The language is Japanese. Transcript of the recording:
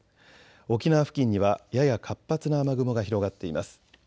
沖縄付近にはやや活発な雨雲が広がっています。